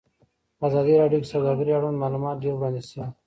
په ازادي راډیو کې د سوداګري اړوند معلومات ډېر وړاندې شوي.